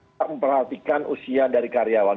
memperhatikan usia dari karyawan